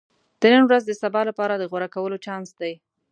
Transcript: • د نن ورځ د سبا لپاره د غوره کولو چانس دی.